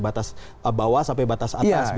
batas bawah sampai batas atas